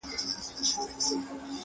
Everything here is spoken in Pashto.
• یک تنها مو تر نړۍ پوري راتله دي -